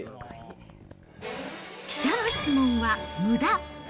記者の質問はむだ。